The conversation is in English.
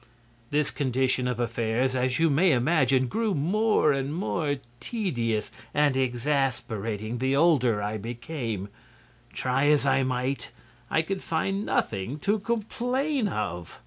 "This condition of affairs, as you may imagine, grew more and more tedious and exasperating the older I became. Try as I might, I could find nothing to complain of.